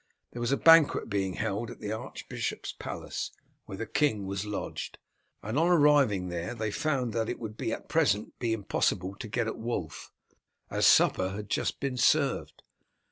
There was a banquet being held at the archbishop's palace, where the king was lodged, and on arriving there they found that it would at present be impossible to get at Wulf, as supper had just been served.